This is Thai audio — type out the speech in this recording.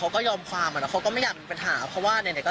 ก็มันก็อึ้มอะพี่